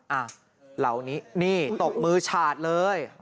อ่ะเหล่านี้นี่ตกมือฉาดเลย